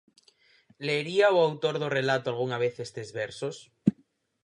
Lería o autor do relato algunha vez estes versos?